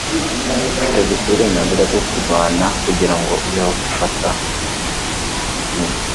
ufite gusa uburenganzira bwo kurwana kugirango ubeho gufata intsinzi